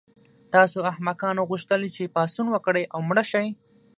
تاسو احمقانو غوښتل چې پاڅون وکړئ او مړه شئ